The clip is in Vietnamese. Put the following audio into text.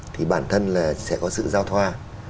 thì bản thân là sẽ có sự giao thoa